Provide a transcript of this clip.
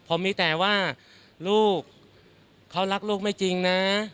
ผมมีแต่ว่าลูกเขารักลูกไม่จริงนะ